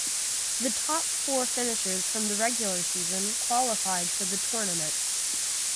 The top four finishers from the regular season qualified for the tournament.